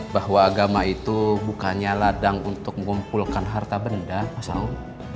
bahwa agama itu bukannya ladang untuk mengumpulkan harta benda pak saung